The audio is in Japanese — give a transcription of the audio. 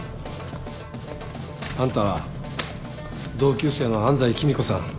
あんたは同級生の安斎貴美子さん